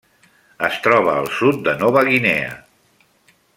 Es troba al sud de Nova Guinea.